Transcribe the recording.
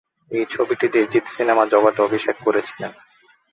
এই ছবিটি দিয়ে জিৎ সিনেমা জগতে অভিষেক করেছিলেন।